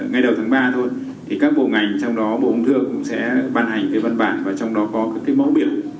ngay đầu tháng ba thôi các bộ ngành trong đó bộ ống thương cũng sẽ văn hành văn bản và trong đó có mẫu biểu